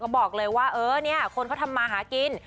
บอกเลยว่าคนเขาทำมาหากิน